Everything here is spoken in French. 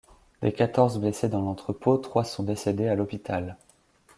Des quatorze blessés dans l'entrepôt, trois sont décédés à l'hôpital.